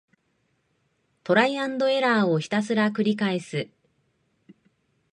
トライアンドエラーをひたすらくりかえす